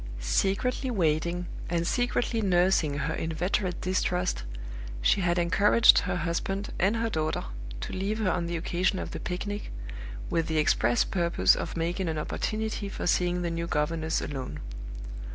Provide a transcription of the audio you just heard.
Secretly waiting, and secretly nursing her inveterate distrust, she had encouraged her husband and her daughter to leave her on the occasion of the picnic, with the express purpose of making an opportunity for seeing the new governess alone.